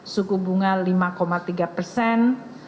suku bunga lima tiga persen